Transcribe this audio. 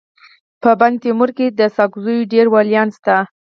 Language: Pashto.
په بندتیمور کي د ساکزو ډير ولیان سته.